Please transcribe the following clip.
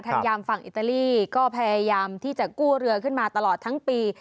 ยามฝั่งอิตาลีก็พยายามที่จะกู้เรือขึ้นมาตลอดทั้งปี